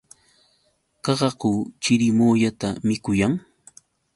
Qaqaku chirimuyata mikuyan.